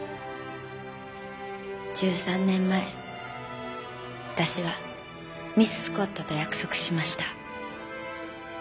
１３年前私はミススコットと約束しました。